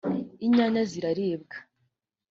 inyanya ziraribwa.